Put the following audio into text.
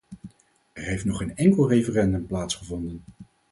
Er heeft nog geen enkel referendum plaatsgevonden.